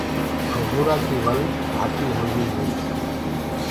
انگوُرآنٚ ڪيٚ ول جآڏي هوندي هي۔